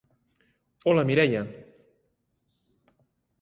Hola, Mireia.